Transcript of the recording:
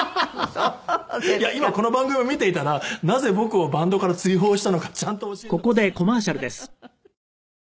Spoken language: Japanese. いや今この番組を見ていたらなぜ僕をバンドから追放したのかちゃんと教えてほしいって。